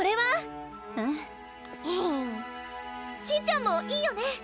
ちぃちゃんもいいよね？